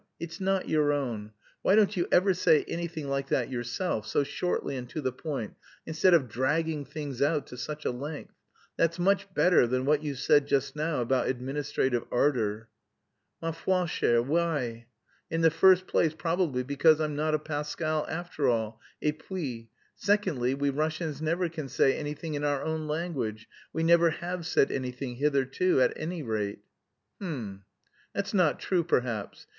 it's not your own. Why don't you ever say anything like that yourself, so shortly and to the point, instead of dragging things out to such a length? That's much better than what you said just now about administrative ardour..." _"Ma foi, chère..." _why? In the first place probably because I'm not a Pascal after all, et puis... secondly, we Russians never can say anything in our own language.... We never have said anything hitherto, at any rate...." "H'm! That's not true, perhaps.